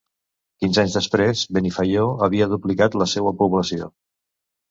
Quinze anys després, Benifaió havia duplicat la seua població.